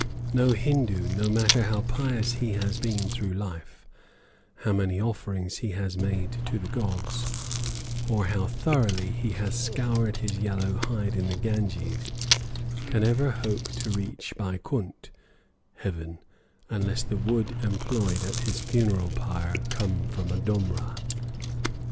No Hindoo, no matter how pious he has been through life, how many offerings he has made to the gods, or how thoroughly he has scoured his yellow hide in the Ganges, can ever hope to reach Baikunt (heaven) unless the wood employed at his funeral pyre come from a domra.